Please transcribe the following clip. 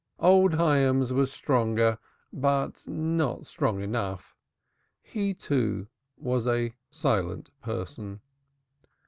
Old Hyams was stronger, but not strong enough. He, too, was a silent person.